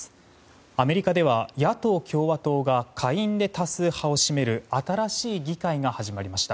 アメリカでは野党・共和党が下院で多数派を占める新しい議会が始まりました。